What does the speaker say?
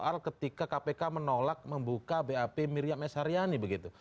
soal ketika kpk menolak membuka bap miriam s haryani begitu